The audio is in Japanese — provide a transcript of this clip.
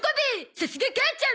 さすが母ちゃん！